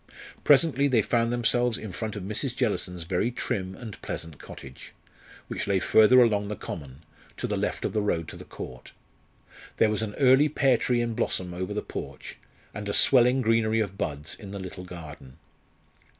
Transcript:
Presently they found themselves in front of Mrs. Jellison's very trim and pleasant cottage, which lay farther along the common, to the left of the road to the Court. There was an early pear tree in blossom over the porch, and a swelling greenery of buds in the little garden.